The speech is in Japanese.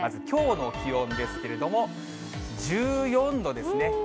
きょうの気温ですけれども、１４度ですね。